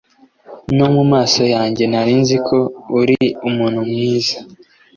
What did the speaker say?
no mu maso yanjye narinzi ko uri umuntu mwiza